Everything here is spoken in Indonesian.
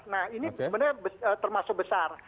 nah ini sebenarnya termasuk besar